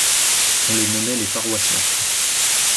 On les nommait les Paroissiens.